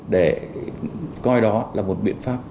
để coi đó là một biện pháp